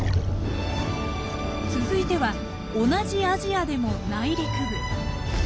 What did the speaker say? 続いては同じアジアでも内陸部。